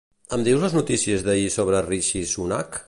Em dius les notícies d'ahir sobre Rishi Sunak?